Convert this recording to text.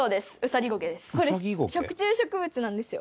これ食虫植物なんですよ。